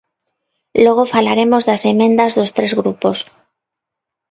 Logo falaremos das emendas dos tres grupos.